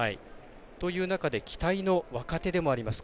という中で期待の若手でもあります